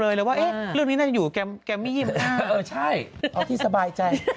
ยาทิพย์เรื่องยาทิพย์